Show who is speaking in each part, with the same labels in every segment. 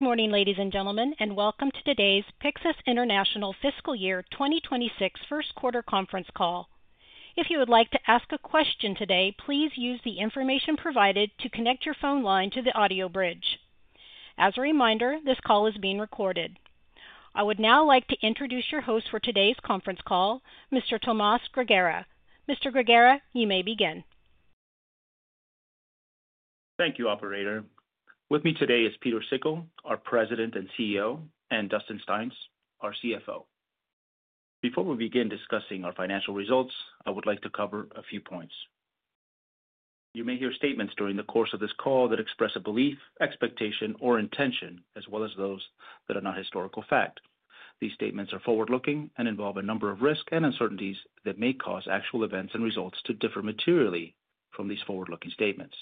Speaker 1: Good morning, ladies and gentlemen, and welcome to today's Pyxus International Fiscal Year 2026 First Quarter Conference Call. If you would like to ask a question today, please use the information provided to connect your phone line to the audio bridge. As a reminder, this call is being recorded. I would now like to introduce your host for today's conference call, Mr. Tomas Grigera. Mr. Grigera, you may begin.
Speaker 2: Thank you, operator. With me today is Pieter Sikkel, our President and CEO, and Dustin Styons, our CFO. Before we begin discussing our financial results, I would like to cover a few points. You may hear statements during the course of this call that express a belief, expectation, or intention, as well as those that are not historical fact. These statements are forward-looking and involve a number of risks and uncertainties that may cause actual events and results to differ materially from these forward-looking statements.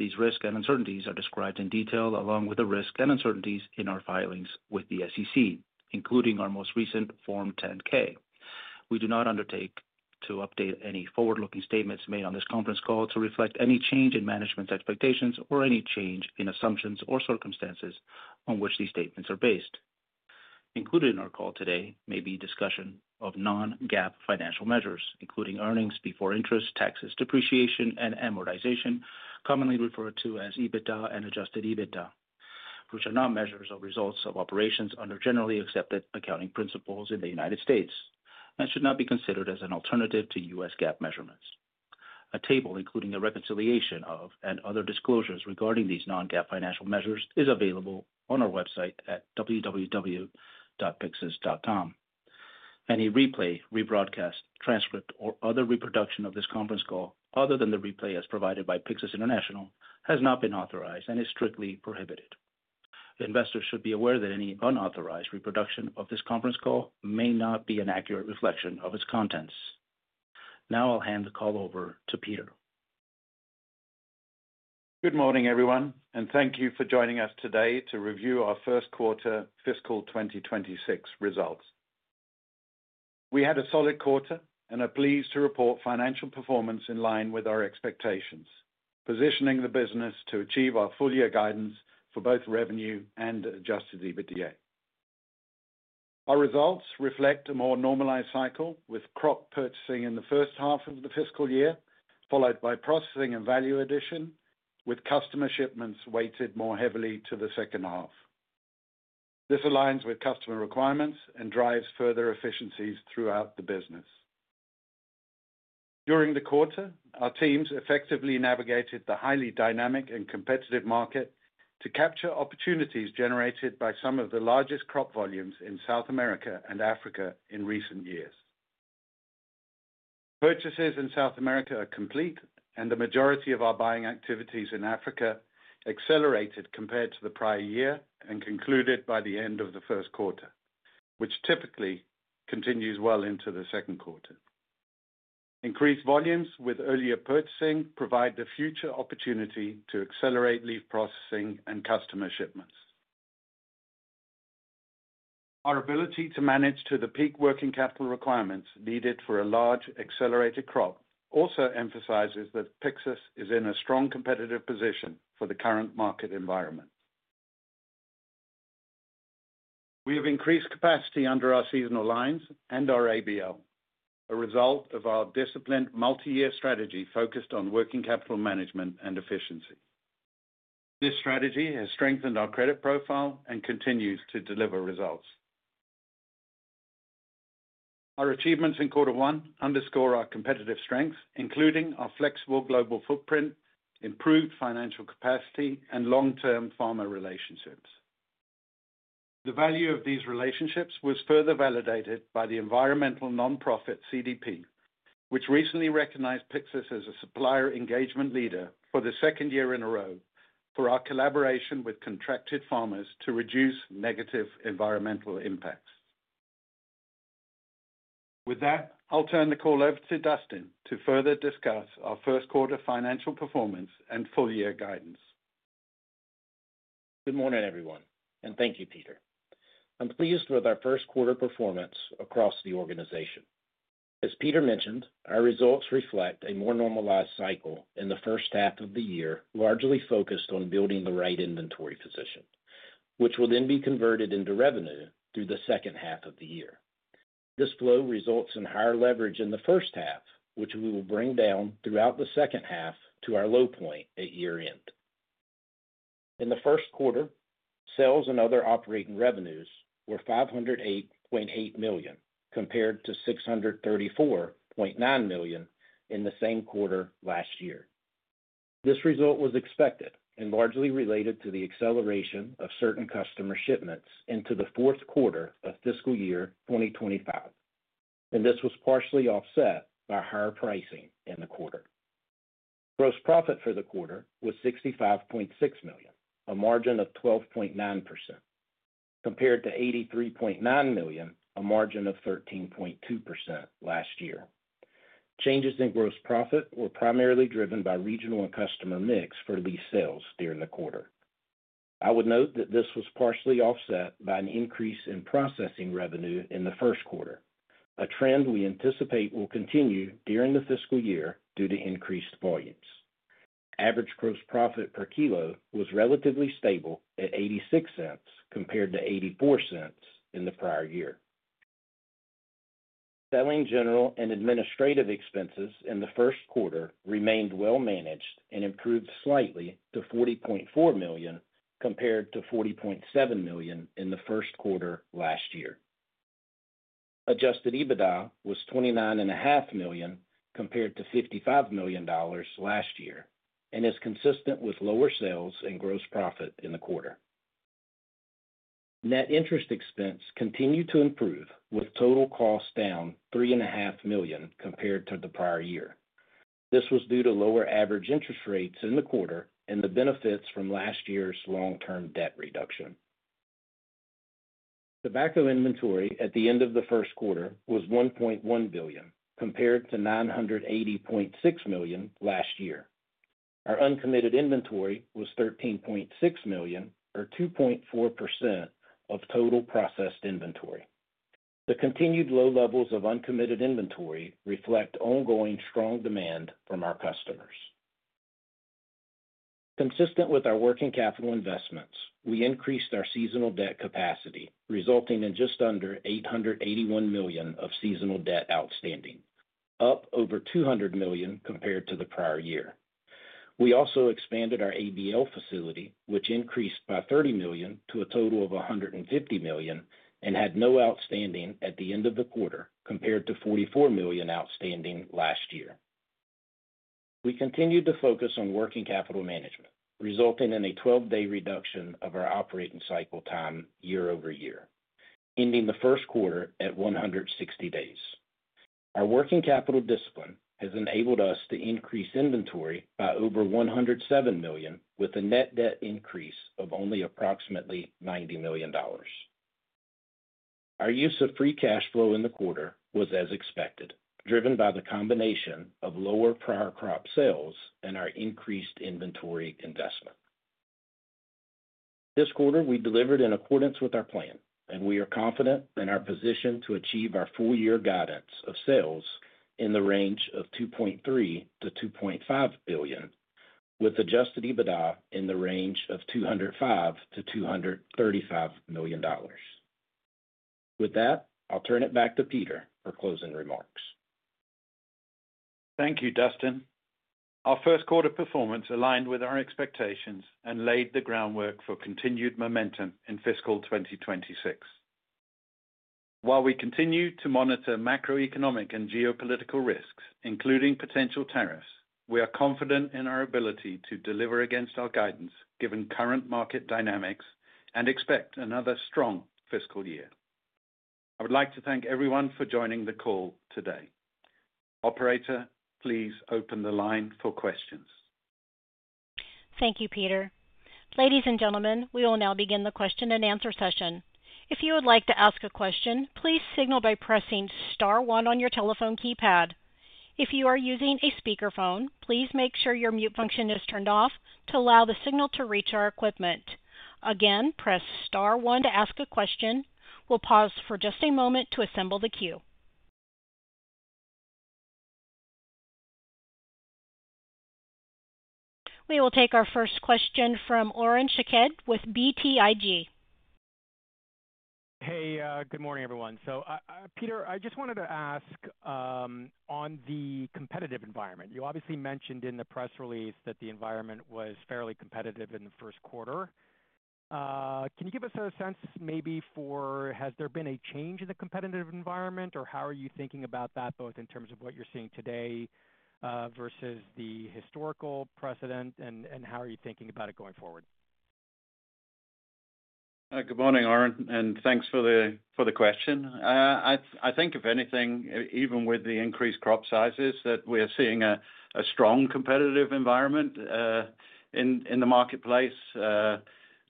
Speaker 2: These risks and uncertainties are described in detail along with the risks and uncertainties in our filings with the SEC, including our most recent Form 10-K. We do not undertake to update any forward-looking statements made on this conference call to reflect any change in management expectations or any change in assumptions or circumstances on which these statements are based. Included in our call today may be a discussion of non-GAAP financial measures, including earnings before interest, taxes, depreciation, and amortization, commonly referred to as EBITDA and adjusted EBITDA, which are not measures of results of operations under generally accepted accounting principles in the United States, and should not be considered as an alternative to U.S. GAAP measurements. A table including a reconciliation of and other disclosures regarding these non-GAAP financial measures is available on our website at www.pyxus.com. Any replay, rebroadcast, transcript, or other reproduction of this conference call, other than the replay as provided by Pyxus International, has not been authorized and is strictly prohibited. Investors should be aware that any unauthorized reproduction of this conference call may not be an accurate reflection of its contents. Now I'll hand the call over to Pieter.
Speaker 3: Good morning, everyone, and thank you for joining us today to review our first quarter fiscal 2026 results. We had a solid quarter and are pleased to report financial performance in line with our expectations, positioning the business to achieve our full-year guidance for both revenue and adjusted EBITDA. Our results reflect a more normalized cycle, with crop purchasing in the first half of the fiscal year, followed by processing and value addition, with customer shipments weighted more heavily to the second half. This aligns with customer requirements and drives further efficiencies throughout the business. During the quarter, our teams effectively navigated the highly dynamic and competitive market to capture opportunities generated by some of the largest crop volumes in South America and Africa in recent years. Purchases in South America are complete, and the majority of our buying activities in Africa accelerated compared to the prior year and concluded by the end of the first quarter, which typically continues well into the second quarter. Increased volumes with earlier purchasing provide the future opportunity to accelerate leaf processing and customer shipments. Our ability to manage to the peak working capital requirements needed for a large accelerated crop also emphasizes that Pyxus is in a strong competitive position for the current market environment. We have increased capacity under our seasonal lines and our ABL, a result of our disciplined multi-year strategy focused on working capital management and efficiency. This strategy has strengthened our credit profile and continues to deliver results. Our achievements in Q1 underscore our competitive strengths, including our flexible global footprint, improved financial capacity, and long-term farmer relationships. The value of these relationships was further validated by the environmental nonprofit CDP, which recently recognized Pyxus as a supplier engagement leader for the second year in a row for our collaboration with contracted farmers to reduce negative environmental impacts. With that, I'll turn the call over to Dustin to further discuss our first quarter financial performance and full-year guidance.
Speaker 4: Good morning, everyone, and thank you, Pieter. I'm pleased with our first quarter performance across the organization. As Pieter mentioned, our results reflect a more normalized cycle in the first half of the year, largely focused on building the right inventory position, which will then be converted into revenue through the second half of the year. This flow results in higher leverage in the first half, which we will bring down throughout the second half to our low point at year-end. In the first quarter, sales and other operating revenues were $508.8 million compared to $634.9 million in the same quarter last year. This result was expected and largely related to the acceleration of certain customer shipments into the fourth quarter of fiscal year 2025, and this was partially offset by higher pricing in the quarter. Gross profit for the quarter was $65.6 million, a margin of 12.9%, compared to $83.9 million, a margin of 13.2% last year. Changes in gross profit were primarily driven by regional and customer mix for leaf sales during the quarter. I would note that this was partially offset by an increase in processing revenue in the first quarter, a trend we anticipate will continue during the fiscal year due to increased volumes. Average gross profit per kilo was relatively stable at $0.86 compared to $0.84 in the prior year. Selling, general, and administrative expenses in the first quarter remained well managed and improved slightly to $40.4 million compared to $40.7 million in the first quarter last year. Adjusted EBITDA was $29.5 million compared to $55 million last year and is consistent with lower sales and gross profit in the quarter. Net interest expense continued to improve, with total costs down $3.5 million compared to the prior year. This was due to lower average interest rates in the quarter and the benefits from last year's long-term debt reduction. The value of inventory at the end of the first quarter was $1.1 billion compared to $980.6 million last year. Our uncommitted inventory was $13.6 million, or 2.4% of total processed inventory. The continued low levels of uncommitted inventory reflect ongoing strong demand from our customers. Consistent with our working capital investments, we increased our seasonal debt capacity, resulting in just under $881 million of seasonal debt outstanding, up over $200 million compared to the prior year. We also expanded our ABL facility, which increased by $30 million to a total of $150 million and had no outstanding at the end of the quarter, compared to $44 million outstanding last year. We continued to focus on working capital management, resulting in a 12-day reduction of our operating cycle time year-over-year, ending the first quarter at 160 days. Our working capital discipline has enabled us to increase inventory by over $107 million, with a net debt increase of only approximately $90 million. Our use of free cash flow in the quarter was as expected, driven by the combination of lower prior crop sales and our increased inventory investment. This quarter, we delivered in accordance with our plan, and we are confident in our position to achieve our full-year guidance of sales in the range of $2.3 billion-$2.5 billion, with adjusted EBITDA in the range of $205 million-$235 million. With that, I'll turn it back to Pieter for closing remarks.
Speaker 3: Thank you, Dustin. Our first quarter performance aligned with our expectations and laid the groundwork for continued momentum in fiscal 2026. While we continue to monitor macroeconomic and geopolitical risks, including potential tariffs, we are confident in our ability to deliver against our guidance given current market dynamics and expect another strong fiscal year. I would like to thank everyone for joining the call today. Operator, please open the line for questions.
Speaker 1: Thank you, Pieter. Ladies and gentlemen, we will now begin the question-and-answer session. If you would like to ask a question, please signal by pressing Star, one on your telephone keypad. If you are using a speakerphone, please make sure your mute function is turned off to allow the signal to reach our equipment. Again, press Star, one to ask a question. We'll pause for just a moment to assemble the queue. We will take our first question from Oren Sheked with BTIG.
Speaker 5: Good morning, everyone. Pieter, I just wanted to ask, on the competitive environment, you obviously mentioned in the press release that the environment was fairly competitive in the first quarter. Can you give us a sense maybe for, has there been a change in the competitive environment, or how are you thinking about that, both in terms of what you're seeing today versus the historical precedent, and how are you thinking about it going forward?
Speaker 3: Good morning, Oren, and thanks for the question. I think, if anything, even with the increased crop sizes, that we're seeing a strong competitive environment in the marketplace.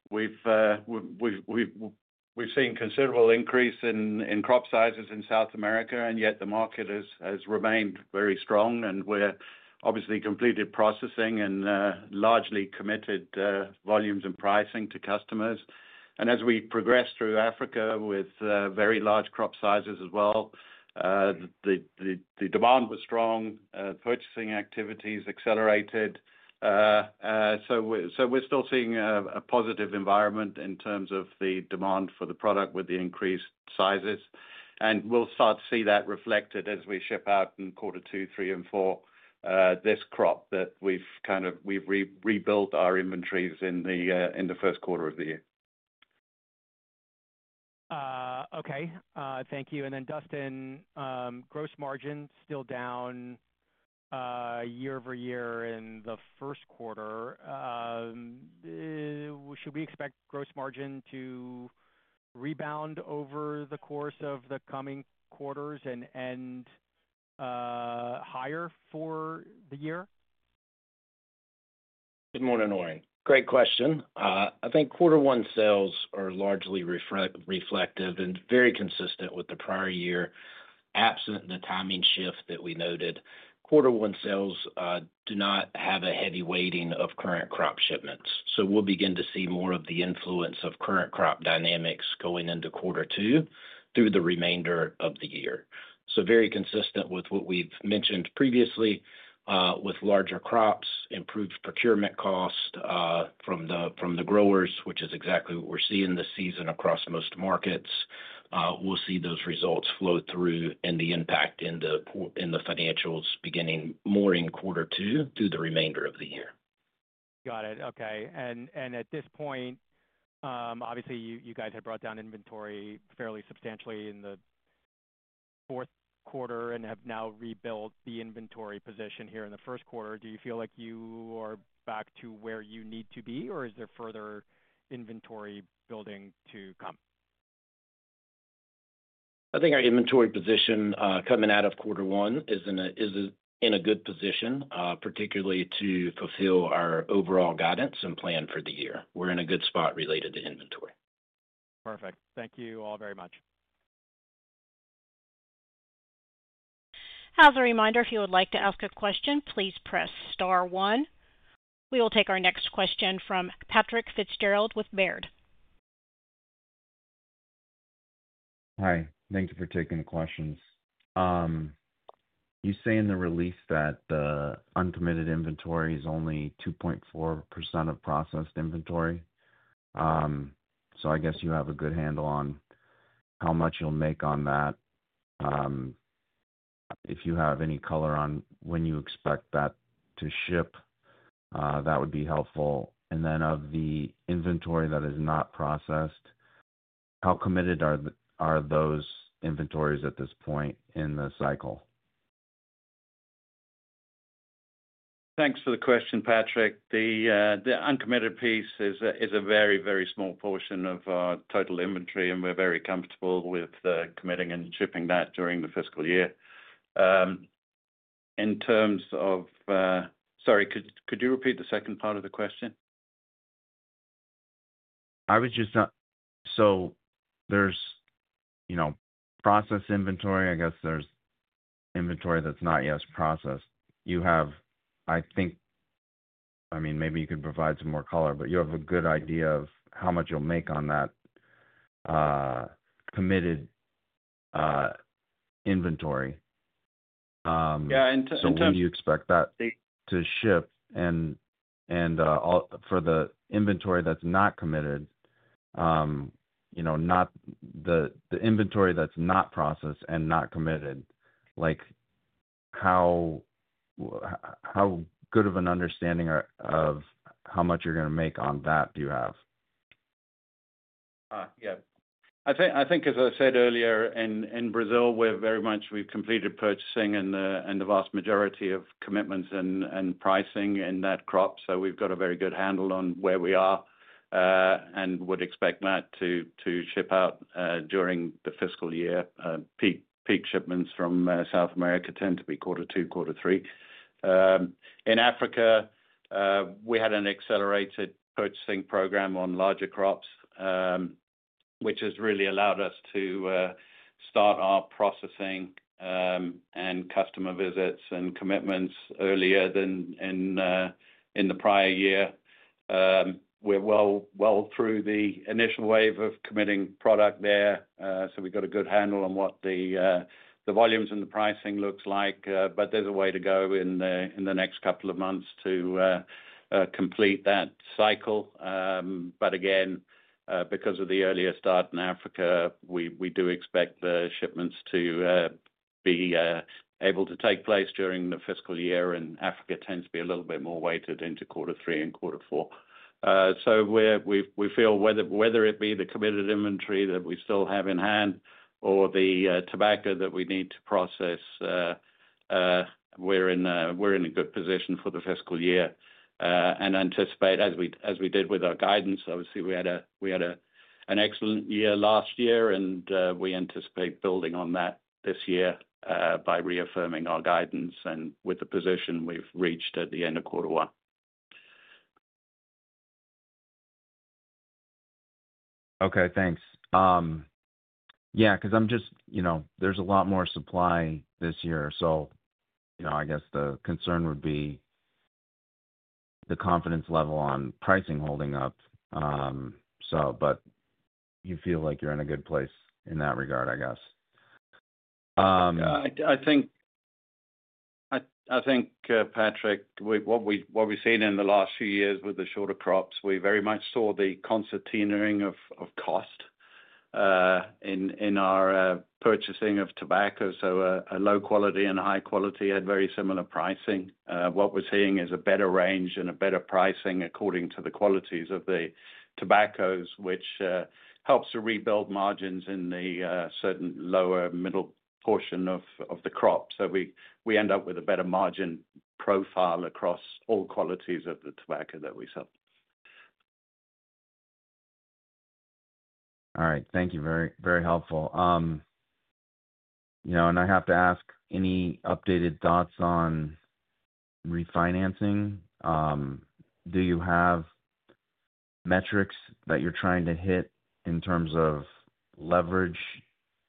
Speaker 3: We've seen a considerable increase in crop sizes in South America, yet the market has remained very strong, and we've obviously completed processing and largely committed volumes and pricing to customers. As we progressed through Africa with very large crop sizes as well, the demand was strong. Purchasing activities accelerated. We're still seeing a positive environment in terms of the demand for the product with the increased sizes, and we'll start to see that reflected as we ship out in quarter two, three, and four this crop that we've kind of rebuilt our inventories in the first quarter of the year.
Speaker 5: Okay, thank you. Dustin, gross margin is still down year-over-year in the first quarter. Should we expect gross margin to rebound over the course of the coming quarters and end higher for the year?
Speaker 4: Good morning, Oren. Great question. I think quarter one sales are largely reflective and very consistent with the prior year, absent the timing shift that we noted. Quarter one sales do not have a heavy weighting of current crop shipments. We will begin to see more of the influence of current crop dynamics going into quarter two through the remainder of the year. This is very consistent with what we've mentioned previously, with larger crops and improved procurement costs from the growers, which is exactly what we're seeing this season across most markets. We will see those results flow through and the impact in the financials beginning more in quarter two through the remainder of the year.
Speaker 5: Got it. Okay. At this point, obviously, you guys had brought down inventory fairly substantially in the fourth quarter and have now rebuilt the inventory position here in the first quarter. Do you feel like you are back to where you need to be, or is there further inventory building to come?
Speaker 4: I think our inventory position coming out of quarter one is in a good position, particularly to fulfill our overall guidance and plan for the year. We're in a good spot related to inventory.
Speaker 5: Perfect. Thank you all very much.
Speaker 1: As a reminder, if you would like to ask a question, please press Star, one. We will take our next question from Patrick Fitzgerald with Baird.
Speaker 6: Hi. Thank you for taking the questions. You say in the release that the uncommitted inventory is only 2.4% of processed inventory. I guess you have a good handle on how much you'll make on that. If you have any color on when you expect that to ship, that would be helpful. Of the inventory that is not processed, how committed are those inventories at this point in the cycle?
Speaker 3: Thanks for the question, Patrick. The uncommitted piece is a very, very small portion of our total inventory, and we're very comfortable with committing and shipping that during the fiscal year. In terms of, could you repeat the second part of the question?
Speaker 6: There's processed inventory. I guess there's inventory that's not yet processed. You have, I think, maybe you could provide some more color, but you have a good idea of how much you'll make on that committed inventory.
Speaker 5: Yeah, sometimes.
Speaker 6: When you expect that to ship and for the inventory that's not committed, not the inventory that's not processed and not committed, how good of an understanding of how much you're going to make on that do you have?
Speaker 3: Yeah. I think, as I said earlier, in Brazil, we're very much, we've completed purchasing and the vast majority of commitments and pricing in that crop. We've got a very good handle on where we are and would expect that to ship out during the fiscal year. Peak shipments from South America tend to be quarter two, quarter three. In Africa, we had an accelerated purchasing program on larger crops, which has really allowed us to start our processing and customer visits and commitments earlier than in the prior year. We're well through the initial wave of committing product there. We've got a good handle on what the volumes and the pricing look like, but there's a way to go in the next couple of months to complete that cycle. Because of the earlier start in Africa, we do expect the shipments to be able to take place during the fiscal year, and Africa tends to be a little bit more weighted into quarter three and quarter four. We feel whether it be the committed inventory that we still have in hand or the tobacco that we need to process, we're in a good position for the fiscal year and anticipate, as we did with our guidance. Obviously, we had an excellent year last year, and we anticipate building on that this year by reaffirming our guidance and with the position we've reached at the end of quarter one.
Speaker 6: Okay, thanks. Yeah, because I'm just, you know, there's a lot more supply this year. I guess the concern would be the confidence level on pricing holding up. You feel like you're in a good place in that regard, I guess.
Speaker 3: I think, Patrick, what we've seen in the last few years with the shorter crops, we very much saw the concertinaing of cost in our purchasing of tobacco. A low quality and a high quality had very similar pricing. What we're seeing is a better range and a better pricing according to the qualities of the tobaccos, which helps to rebuild margins in the certain lower middle portion of the crop. We end up with a better margin profile across all qualities of the tobacco that we sell.
Speaker 6: All right, thank you. Very, very helpful. I have to ask, any updated thoughts on refinancing? Do you have metrics that you're trying to hit in terms of leverage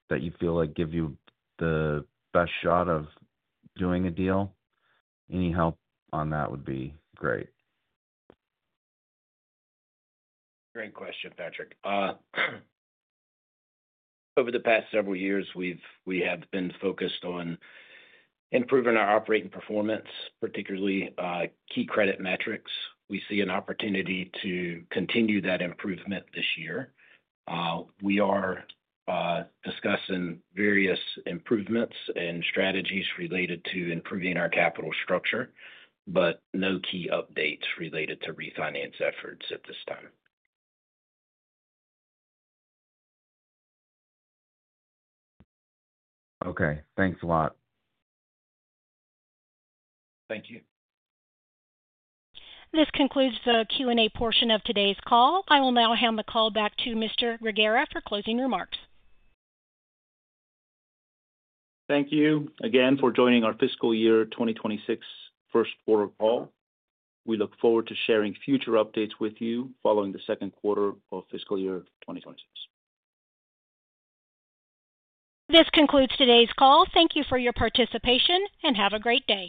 Speaker 6: that you feel like give you the best shot of doing a deal? Any help on that would be great.
Speaker 4: Great question, Patrick. Over the past several years, we have been focused on improving our operating performance, particularly key credit metrics. We see an opportunity to continue that improvement this year. We are discussing various improvements and strategies related to improving our capital structure, but no key updates related to refinance efforts at this time.
Speaker 6: Okay, thanks a lot.
Speaker 4: Thank you.
Speaker 1: This concludes the Q&A portion of today's call. I will now hand the call back to Mr. Grigera for closing remarks.
Speaker 2: Thank you again for joining our fiscal year 2026 first quarter call. We look forward to sharing future updates with you following the second quarter of fiscal year 2026.
Speaker 1: This concludes today's call. Thank you for your participation and have a great day.